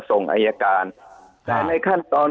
ส่งอายการแต่ในขั้นตอน